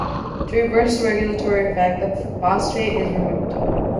To reverse the regulatory effect, the phosphate is removed.